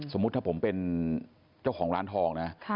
สมมุติถ้าผมเป็นเจ้าของร้านทองนะ